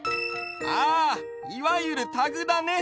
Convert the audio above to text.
ああいわゆるタグだね。